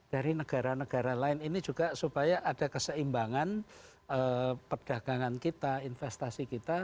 dari negara negara lain ini juga supaya ada keseimbangan perdagangan kita investasi kita